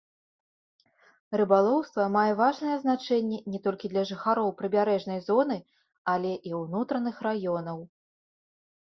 Рыбалоўства мае важнае значэнне не толькі для жыхароў прыбярэжнай зоны, але і ўнутраных раёнаў.